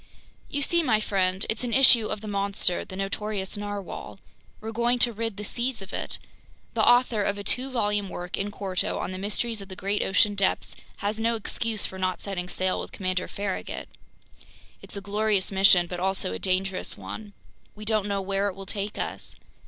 "You see, my friend, it's an issue of the monster, the notorious narwhale. We're going to rid the seas of it! The author of a two volume work, in quarto, on The Mysteries of the Great Ocean Depths has no excuse for not setting sail with Commander Farragut. It's a glorious mission but also a dangerous one! We don't know where it will take us!